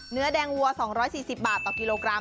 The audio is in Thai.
เนื้อแดงวัว๒๔๐บาทต่อกิโลกรัม